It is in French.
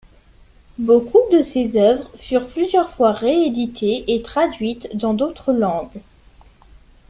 Beaucoup de ses œuvres furent plusieurs fois rééditées et traduites dans d'autres langues.